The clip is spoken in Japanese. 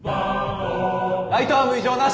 ライトアーム異常なし。